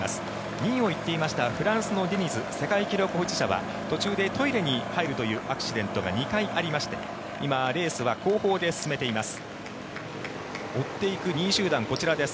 ２位を行っていましたフランスのディニズ世界記録保持者は途中、トイレに入るというアクシデントが２回ありまして今、レースは後方で進めています。